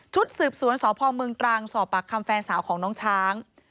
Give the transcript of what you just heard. ชุดสืบสวนสพเมืองกรังสปคแฟนสาวของน้องช้าง